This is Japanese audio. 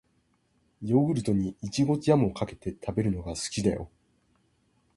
ヨーグルトに、いちごジャムをかけて食べるのが好きだよ。